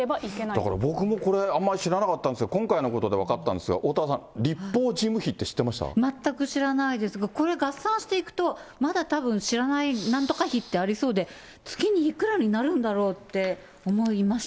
だからこれ、僕もあまり知らなかったんですけれども、今回のことで分かったんです、おおたわさん、全く知らないです、これ、合算していくと、まだたぶん、知らないなんとか費ってありそうで、月にいくらになるんだろうと思いました。